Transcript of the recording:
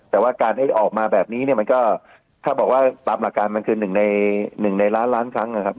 แต่ว่าการได้ออกมาแบบนี้เนี่ยมันก็ถ้าบอกว่าตามหลักการมันคือหนึ่งในหนึ่งในล้านล้านครั้งนะครับ